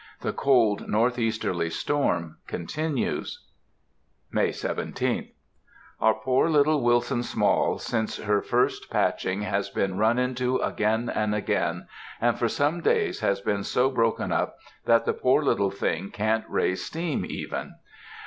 The cold northeasterly storm continues. May 17th. Our poor little Wilson Small since her first patching has been run into again and again, and for some days has been so broken up, that the poor little thing can't raise steam even.